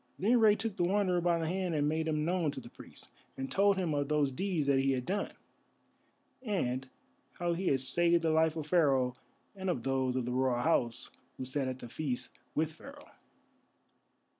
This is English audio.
Then Rei took the Wanderer by the hand and made him known to the priest, and told him of those deeds that he had done, and how he had saved the life of Pharaoh and of those of the Royal House who sat at the feast with Pharaoh.